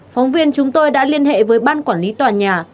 phóng viên chúng tôi đã liên hệ với ban quản lý tòa nhà